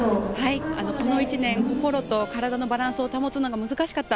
この１年、心と体のバランスを保つのが難しかった。